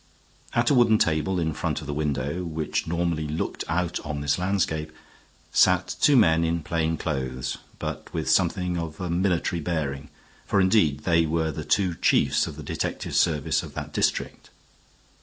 At a wooden table in front of the window, which normally looked out on this landscape, sat two men in plain clothes, but with something of a military bearing, for indeed they were the two chiefs of the detective service of that district.